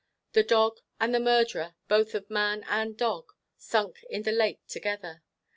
The dog, and the murderer, both of man and dog, sunk in the lake together.